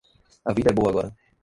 A vida é boa agora.